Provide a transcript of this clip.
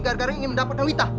gara gara ingin mendapatkan witah